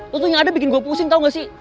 terus tuh yang ada bikin gue pusing tahu gak sih